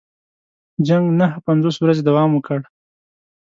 جنګ نهه پنځوس ورځې دوام وکړ.